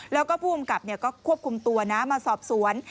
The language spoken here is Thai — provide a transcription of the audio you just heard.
แล้วก็ผู้กำกับก็ควบคุมตัวนะมาสอบสวน